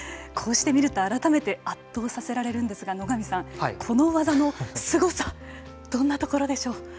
こうして見ると改めて圧倒させられるんですが野上さん、この技のすごさどんなところでしょう？